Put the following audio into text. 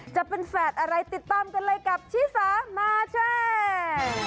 จะเป็นแฝดอะไรติดตามกันเลยกับชิสามาแชร์